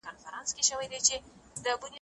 چای څښل روغتیا ته ګټور دی؟